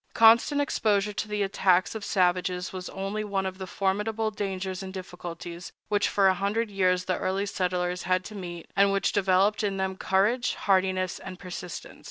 Constant exposure to the attacks of savages was only one of the formidable dangers and difficulties which for a hundred years the early settlers had to meet, and which developed in them courage, hardiness, and persistence.